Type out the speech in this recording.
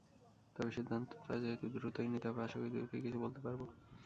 তবে সিদ্ধান্তটা যেহেতু দ্রুতই নিতে হবে, আশা করি দ্রুতই কিছু বলতে পারব।